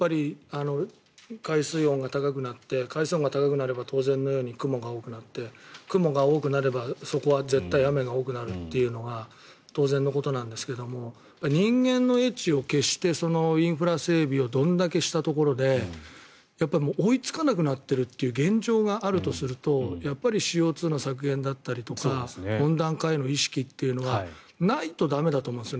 海水温が高くなって海水温が高くなれば当然のように雲が多くなって雲が多くなれば、そこは絶対雨が多くなるというのが当然のことなんですけど人間の英知を結集してインフラ整備をどんだけしたところで追いつかなくなっているという現状があるとするとＣＯ２の削減だったりとか温暖化への意識というのはないと駄目だと思うんです。